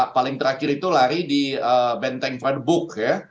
paling terakhir itu lari di benteng fredbook ya